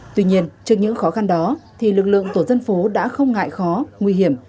tuy nhiên trước những khó khăn đó thì lực lượng tổ dân phố đã không ngại khó nguy hiểm